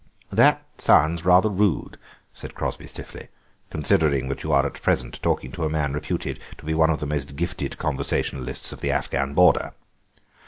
"That sounds rather rude," said Crosby stiffly, "considering that you are at present talking to a man reputed to be one of the most gifted conversationalists of the Afghan border."